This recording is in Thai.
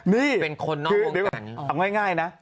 นี่ถรงง่ายนะ